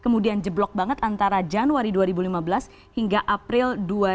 kemudian jeblok banget antara januari dua ribu lima belas hingga april dua ribu dua puluh